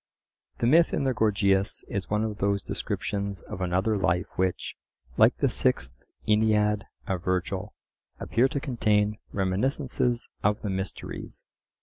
The myth in the Gorgias is one of those descriptions of another life which, like the Sixth Aeneid of Virgil, appear to contain reminiscences of the mysteries.